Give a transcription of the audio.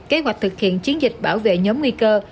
kế hoạch thực hiện chiến dịch bảo vệ nhóm nguy cơ